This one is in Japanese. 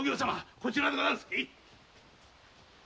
こちらでござんす。